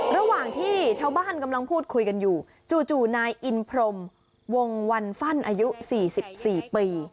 ระหว่างที่ชาวบ้านกำลังพูดคุยกันอยู่จู่นายอินพรมวงวันฟั่นอายุ๔๔ปี